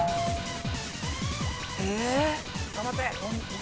え⁉頑張って。